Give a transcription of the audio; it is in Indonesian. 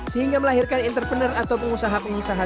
sehingga melahirkan entrepreneur atau pengusaha pengusaha